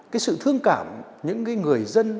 cái sự thương cảm những cái người dân